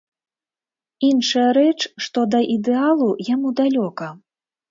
Іншая рэч, што да ідэалу яму далёка.